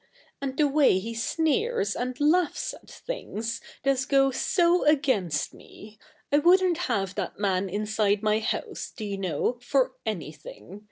And the way he sneers and laughs at things does go so against me. I wouldn't have that man inside my house, do you know, for anything.